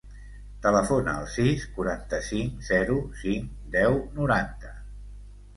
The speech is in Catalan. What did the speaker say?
Telefona al sis, quaranta-cinc, zero, cinc, deu, noranta.